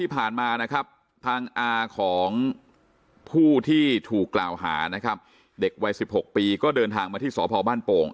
ผู้ที่ถูกกล่าวหานะครับเด็กวัย๑๖ปีก็เดินทางมาที่สภบ้านโป่ง